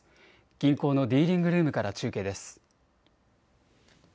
銀行のディーリングルームから中継です。